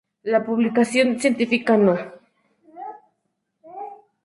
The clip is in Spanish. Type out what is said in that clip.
La Publicación Científica No.